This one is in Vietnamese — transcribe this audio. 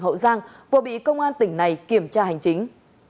hậu giang vừa bị công an tỉnh này kiểm tra hành chính